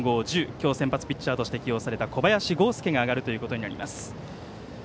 今日、先発ピッチャーとして起用された小林剛介が上がるということになります。